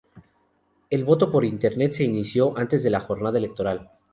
El voto por Internet se inició antes de la jornada electoral.